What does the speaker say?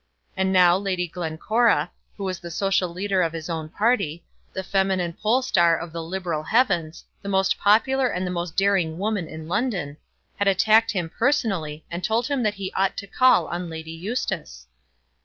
And now Lady Glencora, who was the social leader of his own party, the feminine pole star of the Liberal heavens, the most popular and the most daring woman in London, had attacked him personally, and told him that he ought to call on Lady Eustace!